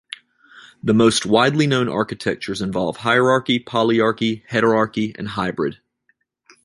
The most widely known architectures involve hierarchy, polyarchy, hetaerarchy and hybrid.